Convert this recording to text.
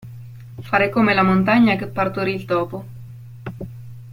Fare come la montagna che partorì il topo.